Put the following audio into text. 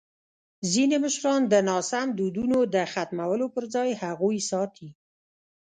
ځینې مشران د ناسم دودونو د ختمولو پر ځای هغوی ساتي.